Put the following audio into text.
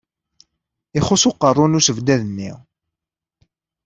Ixuṣṣ uqerru n usebdad-nni.